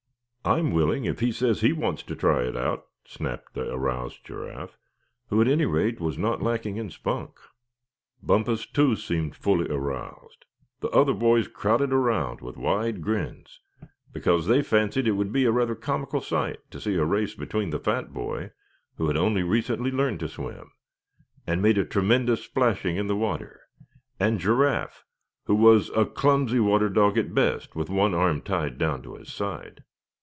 "I'm willing, if he says he wants to try it out!" snapped the aroused Giraffe, who at any rate was not lacking in spunk. Bumpus, too, seemed to be fully aroused. The other boys crowded around, with wide grins, because they fancied it would be rather a comical sight to see a race between the fat boy, who had only recently learned to swim, and made a tremendous splashing in the water; and Giraffe, who was a clumsy water dog at best, with one arm tied down to his side.